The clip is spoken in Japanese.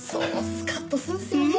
スカッとするんですよね。